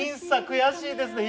悔しいですね。